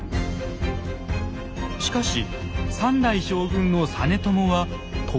しかし３代将軍の実朝は時政の孫。